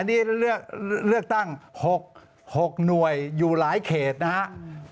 นี่เลือกตั้ง๖หน่วยอยู่หลายเขตนะครับ